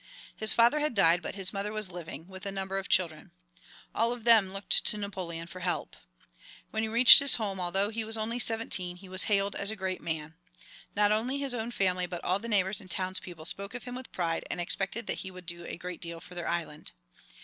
His father had died, but his mother was living, with a number of children. All of them looked to Napoleon for help. When he reached his home, although he was only seventeen, he was hailed as a great man. Not only his own family, but all the neighbors and townspeople spoke of him with pride, and expected that he would do a great deal for their island.